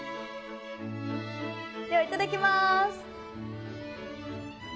ではいただきます。